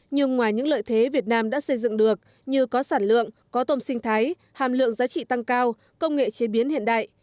nhưng ngoài những lợi thế việt nam đã xây dựng được như có sản lượng có tôm sinh thái hàm lượng giá trị tăng cao công nghệ chế biến hiện đại